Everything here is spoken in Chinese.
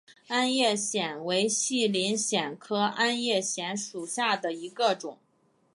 鞍叶藓为细鳞藓科鞍叶藓属下的一个种。